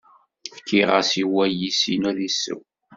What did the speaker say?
Fkiɣ-as i wayis-inu ad isew.